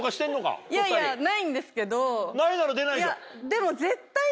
ないなら出ないじゃん。